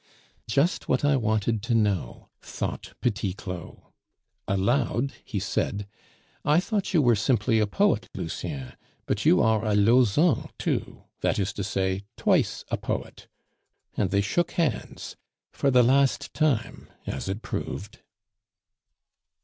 "Just what I wanted to know," thought Petit Claud. Aloud he said "I thought you were simply a poet, Lucien, but you are a Lauzun too, that is to say twice a poet," and they shook hands for the last time, as it proved.